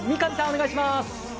お願いします。